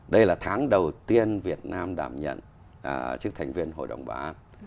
đây là tháng đầu tiên việt nam đảm nhận chức thành viên hội đồng bảo an